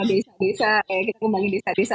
desa desa kita membangun desa desa